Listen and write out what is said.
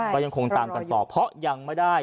ก็ยังคงตามกันต่อเพราะยังไม่ได้